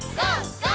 ＧＯ！